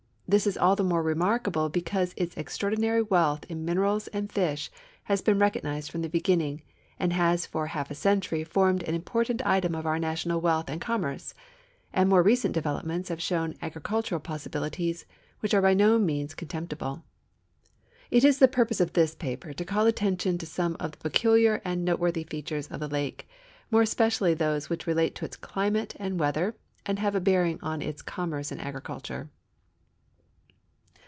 This is all the more remarkable because its extraordinary wealth in minerals and fish has been recognized from the beginnim: and has for half a century formed an important item of our national wealth and commerce, and moic recent developments have shown agricultural possibilities which are by no means con temj)til)le. It is the ])urpose of this pai)er to call attention to some of the })eculiar and noteworthy features of the lake, more especially those which relate to its climate and wcntlicr and have a bearing on its conunerce and agriculture.